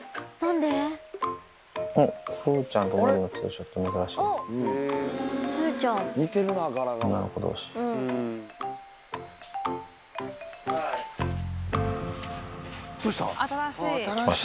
風ちゃんとのりのツーショット、珍しい。